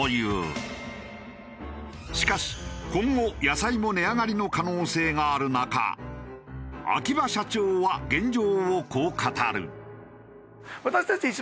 しかし今後野菜も値上がりの可能性がある中秋葉社長は現状をこう語る。